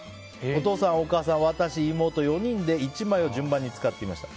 お父さん、お母さん、私、妹４人で１枚を順番に使っていました。